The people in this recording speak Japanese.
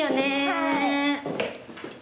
はい。